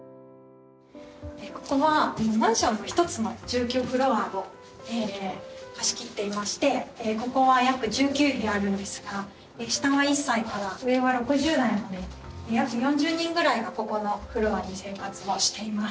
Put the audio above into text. ここはマンションの一つの住居フロアを貸し切っていましてここは約１９部屋あるんですが下は１歳から上は６０代まで約４０人ぐらいがここのフロアで生活をしています。